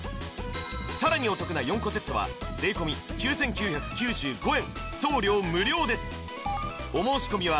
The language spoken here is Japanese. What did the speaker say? さらにお得な４個セットは税込９９９５円